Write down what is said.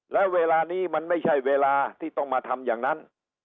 และเวลานี้มันไม่ใช่เวลาที่ต้องมาทำอย่างนั้น